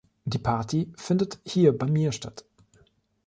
Die Party findet hier bei mir statt.